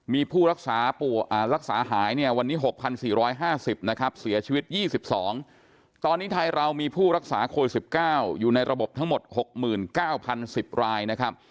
มีผู้รักษาหายเนี่ยวันนี้๖๔๕๐นะครับเสียชีวิต๒๒ตอนนี้ไทยเรามีผู้รักษาโควิด๑๙อยู่ในระบบทั้งหมด๖๙๐๑๐รายนะครับ